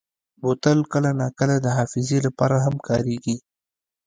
بوتل کله ناکله د حافظې لپاره هم کارېږي.